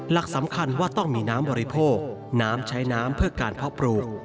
หลักสำคัญว่าต้องมีน้ำบริโภคน้ำใช้น้ำเพื่อการเพาะปลูก